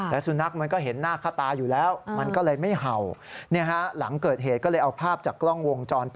และสุนัขมันก็เห็นหน้าข้าตาอยู่แล้ว